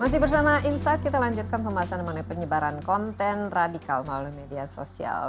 masih bersama insight kita lanjutkan pembahasan mengenai penyebaran konten radikal melalui media sosial